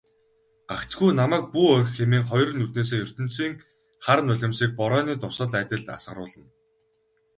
"Гагцхүү намайг бүү орхи" хэмээн хоёр нүднээсээ ертөнцийн хар нулимсыг борооны дусал адил асгаруулна.